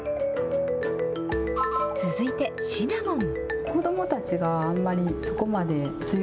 続いてシナモン。